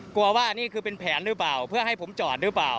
กลัวว่านี่คือเป็นแผนหรือเปล่าเพื่อให้ผมจอดหรือเปล่า